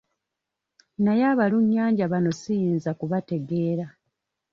Naye abalunnyanja bano siyinza kubategeera.